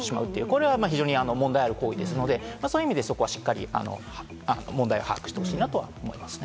これは非常に問題ある行為なので、そこはしっかり問題を把握してほしいなと思いますね。